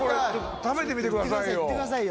食べてみてくださいよ。